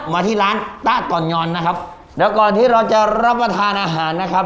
มาที่ร้านตะก่อนงอนนะครับเดี๋ยวก่อนที่เราจะรับประทานอาหารนะครับ